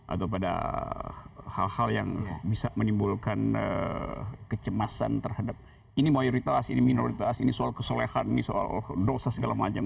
atau pada hal hal yang bisa menimbulkan kecemasan terhadap ini mayoritas ini minoritas ini soal kesolehan ini soal dosa segala macam